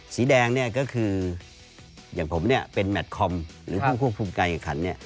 สีแดงก็คืออย่างผมเป็นแมตคอมหรือพูดให้กับขัน